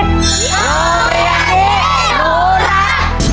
โรงเรียนดีหนูรัก